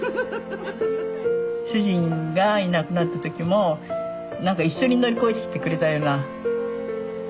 主人がいなくなった時も何か一緒に乗り越えてきてくれたようなね。